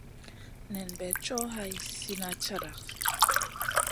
Nen bè co hai slina cata.